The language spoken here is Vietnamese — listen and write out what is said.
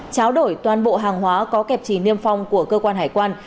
tráo đổi toàn bộ hàng hóa có kẹp chỉ niêm phong của cơ quan hải quan